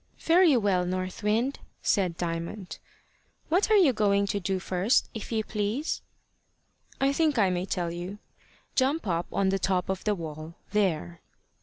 "Very well, North Wind," said Diamond. "What are you going to do first, if you please?" "I think I may tell you. Jump up on the top of the wall, there."